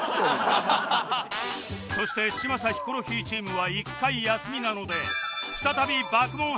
そして嶋佐・ヒコロヒーチームは１回休みなので再び爆問・伯山チーム